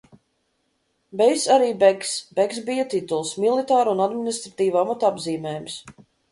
Bejs arī begs, beks bija tituls, militāra un administratīva amata apzīmējums.